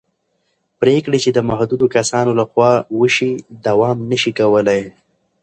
پرېکړې چې د محدودو کسانو له خوا وشي دوام نه شي کولی